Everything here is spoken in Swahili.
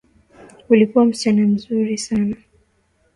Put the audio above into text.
Ulikuwa msichana muzuri sana.